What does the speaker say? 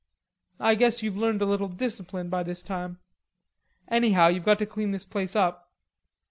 "I guess you've learned a little discipline by this time. Anyhow you've got to clean this place up.